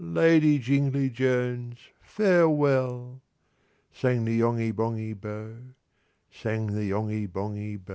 "Lady Jingly Jones, farewell!" Sang the Yonghy Bonghy Bò, Sang the Yonghy Bonghy Bò.